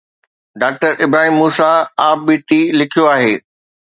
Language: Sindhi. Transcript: ڊاڪٽر ابراهيم موسيٰ ”آپ بيٽي“ لکيو آهي.